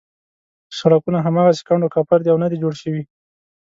سړکونه هماغسې کنډو کپر دي او نه دي جوړ شوي.